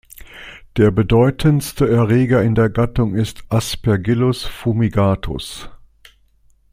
Der bedeutendste Erreger in der Gattung ist "Aspergillus fumigatus".